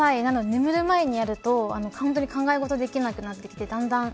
眠る前にやると考え事ができなくなってきてだんだん